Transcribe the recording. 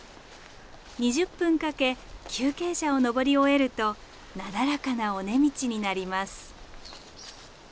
２０分かけ急傾斜を登り終えるとなだらかな尾根道になります。